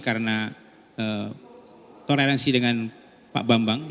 karena toleransi dengan pak bambang